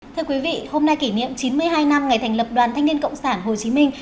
thưa quý vị hôm nay kỷ niệm chín mươi hai năm ngày thành lập đoàn thanh niên cộng sản hồ chí minh